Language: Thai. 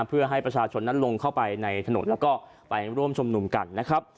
เพื่อให้ประชาชนนั้นลงเข้าไปในถนนแล้วก็ไปร่วมชมนุมกันนะครับ